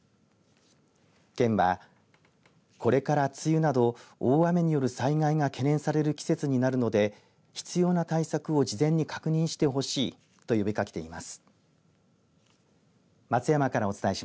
県は、これから梅雨など大雨による災害が懸念される季節になるので必要な対策を事前に確認してほしいと呼びかけています。